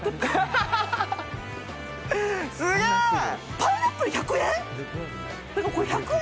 パイナップル、１００円？